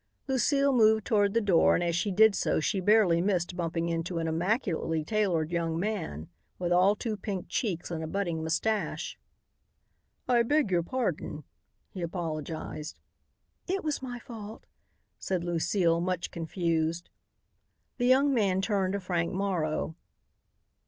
Lucile moved toward the door and as she did so she barely missed bumping into an immaculately tailored young man, with all too pink cheeks and a budding moustache. "I beg your pardon," he apologized. "It was my fault," said Lucile much confused. The young man turned to Frank Morrow.